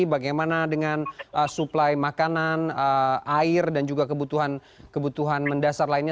bagaimana dengan suplai makanan air dan juga kebutuhan mendasar lainnya